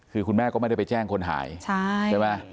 คือคุณแม่ก็ไม่ได้ไปแจ้งคนหายใช่ไหม